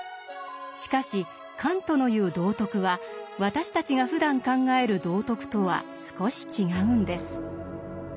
しかしカントの言う「道徳」は私たちがふだん考える道徳とは少し違うんです。